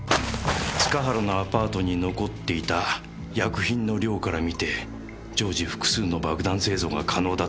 塚原のアパートに残っていた薬品の量から見て常時複数の爆弾製造が可能だったはずです。